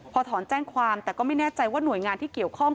พอถอนแจ้งความแต่ก็ไม่แน่ใจว่าหน่วยงานที่เกี่ยวข้อง